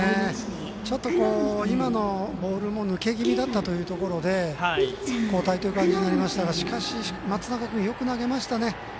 ちょっと今のボールも抜け気味だったということで交代という感じになりましたがしかし、松永君よく投げましたね。